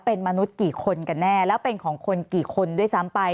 เป็นมนุษย์กี่คนกันแน่แล้วเป็นของคนกี่คนด้วยซ้ำไป